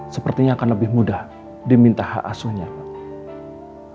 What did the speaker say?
sepertinya akan lebih mudah diminta hak asuhnya pak